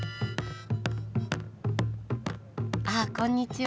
あっこんにちは。